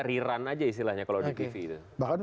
rerun aja istilahnya kalau di tv itu